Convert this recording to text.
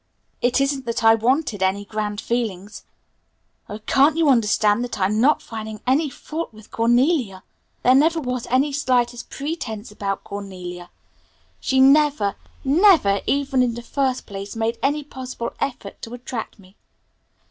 It isn't that I wanted any grand fixings. Oh, can't you understand that I'm not finding any fault with Cornelia. There never was any slightest pretence about Cornelia. She never, never even in the first place, made any possible effort to attract me.